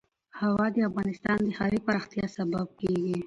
هوا د افغانستان د ښاري پراختیا سبب کېږي.